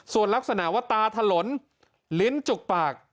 ส่วนลักษณะว่าตาถลนลิ้นจุกปาก